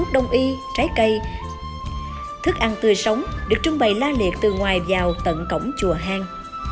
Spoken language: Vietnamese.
được trung bày la liệt từ ngoài vào tận cổng chùa hang